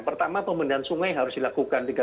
pertama pembendahan sungai harus dilakukan